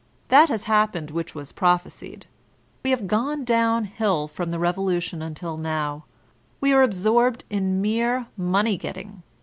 That has happened which was prophesied : we have gone down hill from the Revolution until now; we are ab sorbed in "mere money getting."